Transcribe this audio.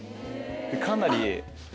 かなり。